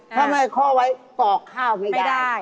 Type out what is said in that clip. ถ้าไม่ข้อไว้กรอกข้าวไม่ได้